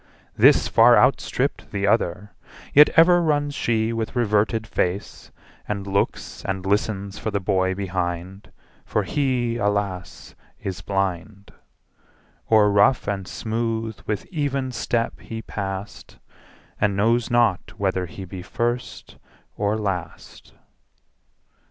5 This far outstripp'd the other; Yet ever runs she with reverted face, And looks and listens for the boy behind: For he, alas! is blind! O'er rough and smooth with even step he pass'd, 10 And knows not whether he be first or last.